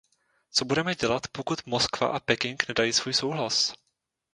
Co budeme dělat, pokud Moskva a Peking nedají svůj souhlas?